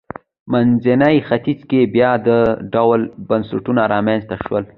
منځني ختیځ کې بیا دا ډول بنسټونه رامنځته شول.